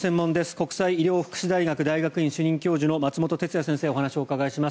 国際医療福祉大学大学院主任教授の松本哲哉先生にお話をお伺いします。